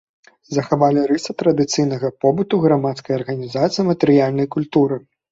Захавалі рысы традыцыйнага побыту, грамадскай арганізацыі, матэрыяльнай культуры.